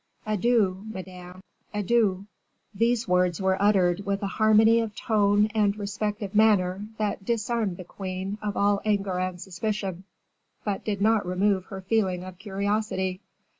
Adieu, madame, adieu!" These words were uttered with a harmony of tone and respect of manner that disarmed the queen of all anger and suspicion, but did not remove her feeling of curiosity.